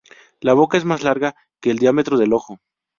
La boca es más larga que el diámetro del ojo.